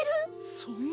そんな。